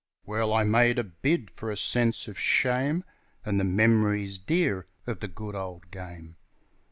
Well, I made a bid for a sense of shame And the memories dear of the good old game.